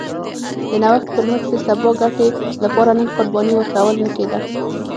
د نوښت پر مټ د سبا ګټې لپاره نن قرباني ورکول نه کېده